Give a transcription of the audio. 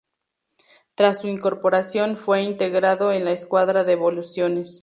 Tras su incorporación, fue integrado en la "Escuadra de Evoluciones".